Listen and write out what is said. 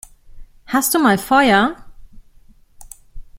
Hast du mal Feuer?